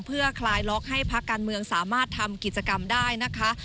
เพื่อคลายล็อกให้พักการเมืองสามารถทำกิจกรรมได้นะคะ